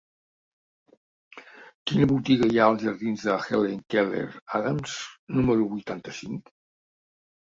Quina botiga hi ha als jardins de Helen Keller Adams número vuitanta-cinc?